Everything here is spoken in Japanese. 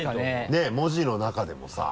ねぇ文字の中でもさ。